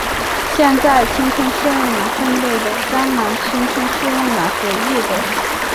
现在，青春是用来奋斗的；将来，青春是用来回忆的。